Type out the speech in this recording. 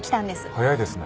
早いですね。